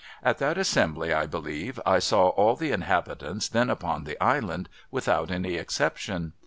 At that assembly, I believe, I saw all the inhabitants then upon the Island, without any exception.